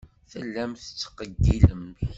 Tellamt tettqeyyilemt.